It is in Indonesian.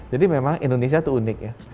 memang indonesia itu unik ya